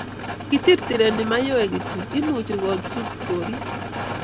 kitirtireni Mayowe kityo, imuchi kosut koris